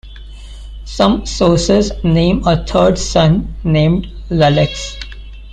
Some sources name a third son, named Lelex.